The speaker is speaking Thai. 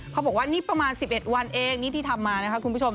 เขาบอกว่านี่ประมาณ๑๑วันเองนี่ที่ทำมานะคะคุณผู้ชม